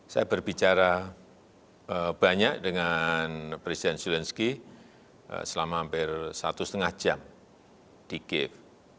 saya berbicara banyak dengan presiden zelensky selama hampir satu setengah jam di kiev